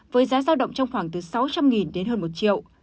với giá giao động trong khoảng từ sáu trăm linh đến hơn một triệu